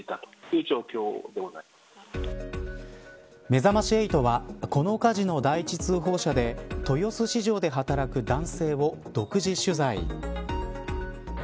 めざまし８はこの火事の第一通報者で豊洲市場で働く男性を独自取材。